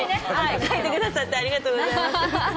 書いてくださってありがとうございます。